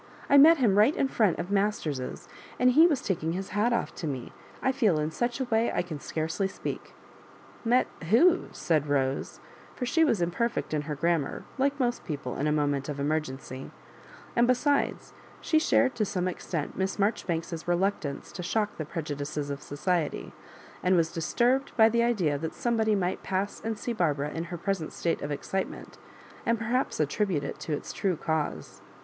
I met him right in front of Masters's, and he took off his hat to me. I feel in such a way — I can scarcely speak." Met— who ?" said Bose— for she was imper fect in her grammar, like most people in a mo ment of emergency; and besides, she shared to some extent Miss Marjoribanks's reluctance to shock the prejudices of society, and was dis turbed by the idea that somebody might pass and see Barbara in hef present state of excitement, and perhaps attribute it to its true cause.